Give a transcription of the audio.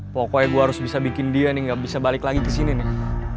pokoknya gue harus bisa bikin dia nih gak bisa balik lagi ke sini nih